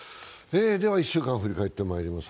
１週間を振り返ってまいります。